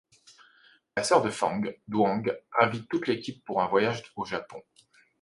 La sœur de Fang, Doang, invite toute l'équipe pour un voyage au Japon.